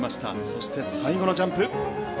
そして、最後のジャンプ。